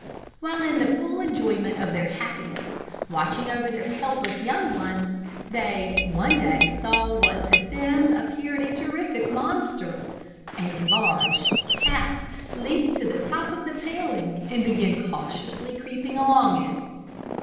While in the full enjoyment of their happiness, watching over their helpless young ones, they one day saw what to them appeared a terrific monster a large cat leap to the top of the paling, and begin cautiously creeping along it.